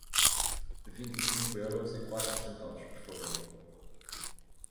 Vinte e cinco euros e quatro centavos, por favor.